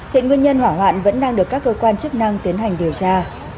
hiện nguyên nhân hỏa hoạn vẫn đang được các cơ quan chức năng tiến hành điều tra